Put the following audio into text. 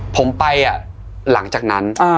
ผมไปหลังจากนั้น